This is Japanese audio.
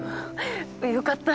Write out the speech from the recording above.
よかった。